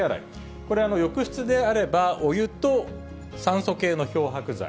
これ、浴室であれば、お湯と酸素系の漂白剤。